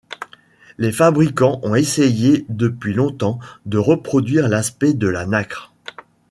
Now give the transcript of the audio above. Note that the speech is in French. Les fabricants ont essayé depuis longtemps de reproduire l'aspect de la nacre.